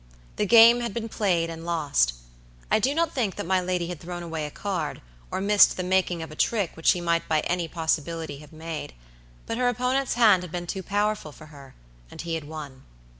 The game had been played and lost. I do not think that my lady had thrown away a card, or missed the making of a trick which she might by any possibility have made; but her opponent's hand had been too powerful for her, and he had won.